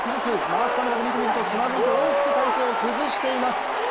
マークカメラで見てみるとつまずいて大きく体勢を崩しています。